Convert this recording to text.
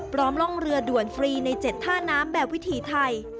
ร่องเรือด่วนฟรีใน๗ท่าน้ำแบบวิถีไทย